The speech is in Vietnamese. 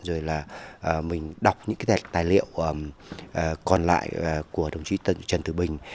rồi là mình đọc những cái tài liệu còn lại của đồng chí trần tử bình